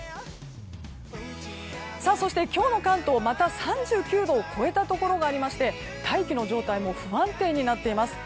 そして、今日の関東また３９度を超えたところがありまして大気の状態も不安定になっています。